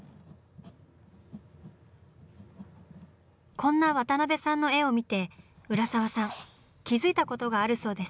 こんな渡辺さんの絵を見て浦沢さん気付いたことがあるそうです。